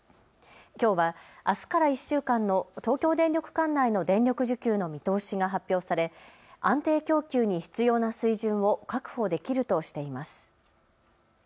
きょうはあすから１週間の東京電力管内の電力需給の見通しが発表され安定供給に必要な水準を確保できるとしています。